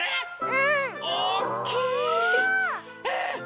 うん！